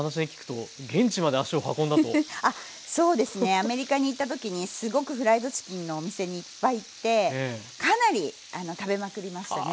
アメリカに行った時にすごくフライドチキンのお店にいっぱい行ってかなり食べまくりましたね。